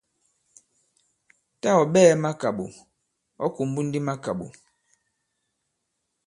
Tâ ɔ̀ ɓɛɛ̄ makàɓò, ɔ̌ kùmbu ndi makàɓò.